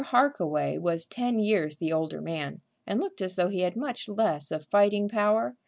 Harkaway was ten years the older man, and looked as though he had much less of fighting power.